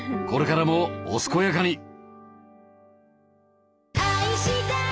これからもお健やかに！